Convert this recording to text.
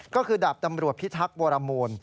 ก็คือดาบตำรวจพิทักษ์โบราโมน